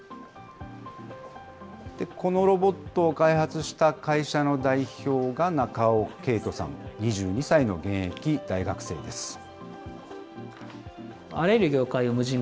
このロボットを開発した会社の代表が、中尾渓人さん２２歳の現役大学生です。